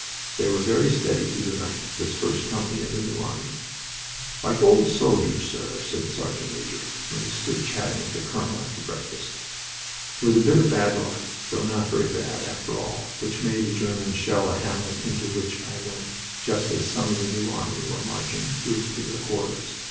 They were very steady through the night, this first company of the New Army. "Like old soldiers, sir," said the sergeant major, when he stood chatting with the colonel after breakfast. It was a bit of bad luck, though not very bad, after all which made the Germans shell a hamlet into which I went just as some of the New Army were marching through to their quarters.